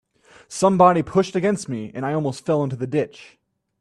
Somebody pushed against me, and I almost fell into the ditch.